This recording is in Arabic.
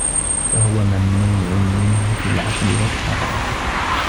فَهُوَ مَمْنُوعٌ مِنْهُ فِي الْعَقْلِ وَالشَّرْعِ